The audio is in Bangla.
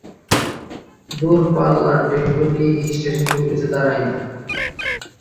দূরপাল্লার ট্রেনগুলি এই স্টেশনগুলিতে দাঁড়ায় না।